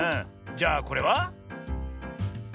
じゃあこれは？